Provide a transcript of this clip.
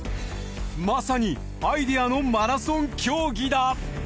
まさにアイデアのマラソン競技だ。